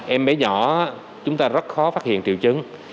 em bé nhỏ chúng ta rất khó phát hiện triệu chứng